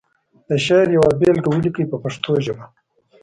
د شعر یوه بېلګه ولیکي په پښتو ژبه.